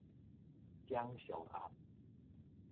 掌上壓